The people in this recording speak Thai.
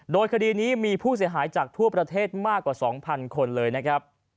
โดยคดีนี้มีผู้เสียหายจากทั่วประเทศมากกว่า๒๐๐คนเลยนะครับ